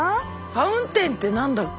ファウンテンって何だっけ？